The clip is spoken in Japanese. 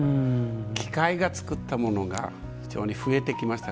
機械が作ったものが非常に増えてきました。